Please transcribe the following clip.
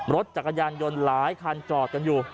รถจักรยานยนต์หลายคันจอดกันอยู่